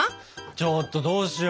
ちょっとどうしよう。